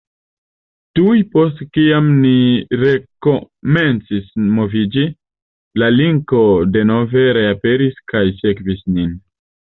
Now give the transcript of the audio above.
Tuj post kiam ni rekomencis moviĝi, la linko denove reaperis kaj sekvis nin.